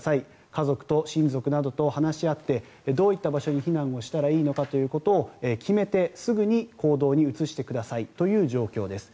家族と親族などと話し合ってどういった場所に避難したらいいのかということを決めてすぐに行動に移してくださいという状況です。